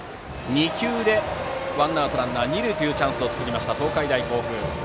２球でワンアウトランナー二塁のチャンスを作った東海大甲府。